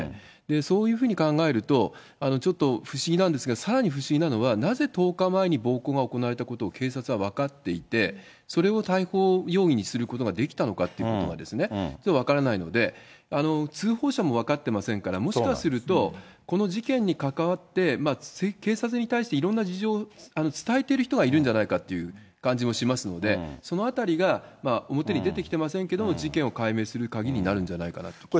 そういうふうに考えると、ちょっと不思議なんですが、さらに不思議なのは、なぜ１０日前に暴行が行われたことを警察は分かっていて、それを逮捕容疑にすることができたのかということが、ちょっと分からないので、通報者も分かってませんから、もしかすると、この事件に関わって、警察に対して、いろんな事情を伝えている人がいるんじゃないかっていう感じもしますので、そのあたりが、表に出てきてませんけれども、事件を解明する鍵になるんじゃないかなと思います。